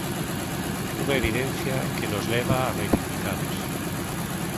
Unha evidencia que nos leva a reivindicalas.